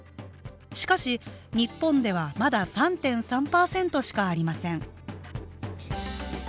しかし日本ではまだ３．３％しかありません